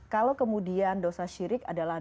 kalau kemudian dosa syirik adalah